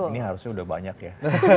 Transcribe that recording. ini harusnya udah banyak ya